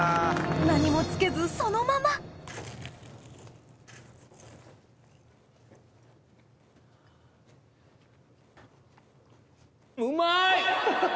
何もつけずそのままうまい！